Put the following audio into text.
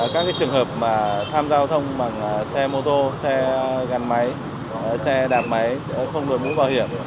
các trường hợp mà tham giao thông bằng xe mô tô xe gắn máy xe đạp máy không đổi mũ bảo hiểm